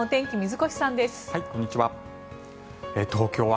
こんにちは。